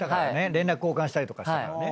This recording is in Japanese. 連絡交換したりとかしたからね。